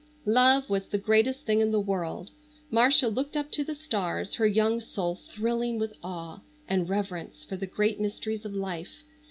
Love was the greatest thing in the world. Marcia looked up to the stars, her young soul thrilling with awe and reverence for the great mysteries of life.